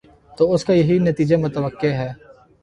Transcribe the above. تو اس کا یہی نتیجہ متوقع ہے۔